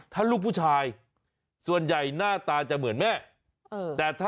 ถ้าลูกผู้ชายส่วนใหญ่หน้าตาจะเหมือนแม่